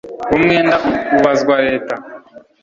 uwo mwenda ubazwa leta